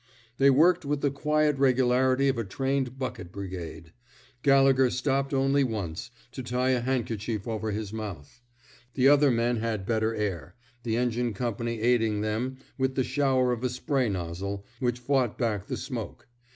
They worked with the quiet regularity of a trained bucket brigade. Gallegher stopped only once — to tie a handkerchief over his mouth. The other men had better air, the engine company aiding them with the shower of a spray nozzle, which fought back the smoke.